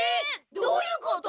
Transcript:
どういうこと！？